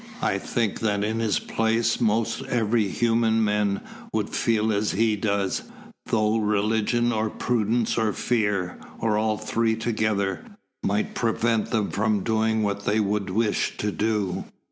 "I think that in his place most every human men would feel as he does, though religion, or prudence, or fear, or all three together, might prevent them from doing what they would wish to do."